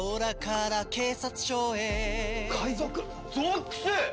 ゾックス！